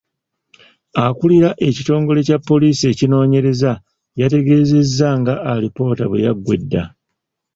Akulira ekitongole kya poliisi ekinoonyereza yategeeza ng’alipoota bwe yaggwa edda .